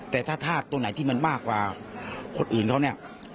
แต่ถ้าทาสตรงไหนที่มันมากกว่าคนอื่นเขา